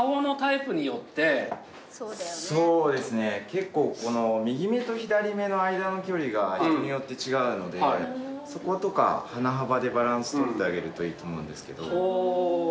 結構右目と左目の間の距離が人によって違うのでそことか鼻幅でバランス取ってあげるといいと思うんですけど。